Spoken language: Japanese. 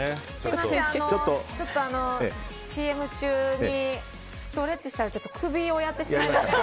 ちょっとあのＣＭ中にストレッチしたら首をやってしまいまして。